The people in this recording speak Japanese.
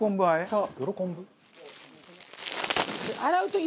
そう。